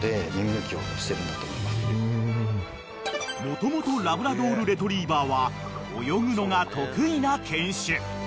［もともとラブラドール・レトリーバーは泳ぐのが得意な犬種］